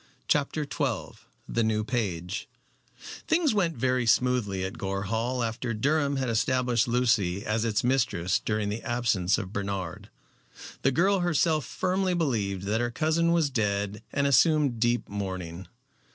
CHAPTER XII THE NEW PAGE Things went very smoothly at Gore Hall after Durham had established Lucy as its mistress during the absence of Bernard. The girl herself firmly believed that her cousin was dead and assumed deep mourning.